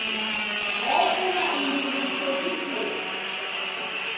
Ofuma imbiri w'isevikie.